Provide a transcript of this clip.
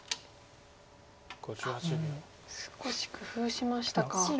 あっ少し工夫しましたか。